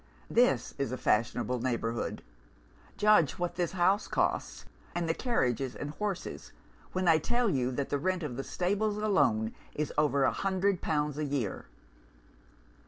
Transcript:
This is a fashionable neighbourhood. Judge what this house costs, and the carriages and horses, when I tell you that the rent of the stables alone is over a hundred pounds a year.